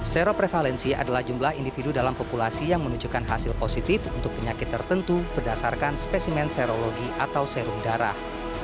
seroprevalensi adalah jumlah individu dalam populasi yang menunjukkan hasil positif untuk penyakit tertentu berdasarkan spesimen serologi atau serum darah